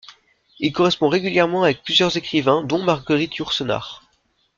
Il correspond régulièrement avec plusieurs écrivains dont Marguerite Yourcenar.